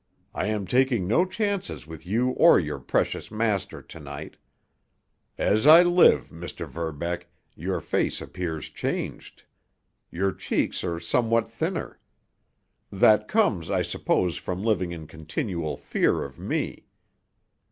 I am taking no chances with you or your precious master to night. As I live, Mr. Verbeck, your face appears changed. Your cheeks are somewhat thinner. That comes, I suppose, from living in continual fear of me.